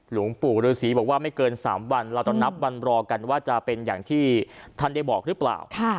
หลวงปู่ฤษีบอกว่าไม่เกิน๓วันเราจะนับวันรอกันว่าจะเป็นอย่างที่ท่านได้บอกหรือเปล่า